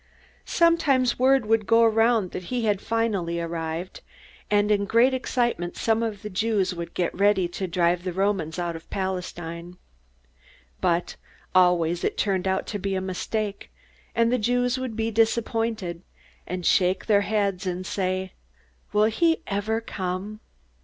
Sometimes word would go around that he had finally arrived, and in great excitement some of the Jews would get ready to drive the Romans out of Palestine. But always it turned out to be a mistake, and the Jews would be disappointed, and shake their heads, and say, "Will he ever come?"